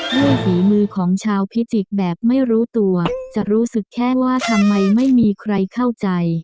ฝีมือของชาวพิจิกษ์แบบไม่รู้ตัวจะรู้สึกแค่ว่าทำไมไม่มีใครเข้าใจ